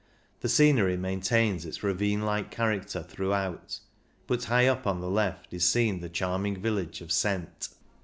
The scenery maintains its ravine like character through out, but high up on the left is seen the charming village of Sent.